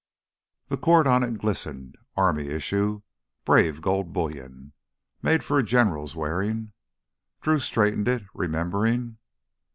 The cord on it glistened. Army issue—brave gold bullion—made for a general's wearing. Drew straightened it, remembering....